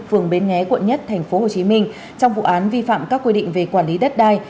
phường bến nghé quận một tp hcm trong vụ án vi phạm các quy định về quản lý đất đai